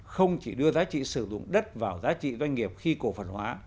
không chỉ đưa giá trị sử dụng đất vào giá trị doanh nghiệp khi cổ phần hóa